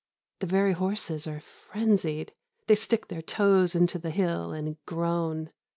The very horses are frenzied. They stick their toes into the hill and groan.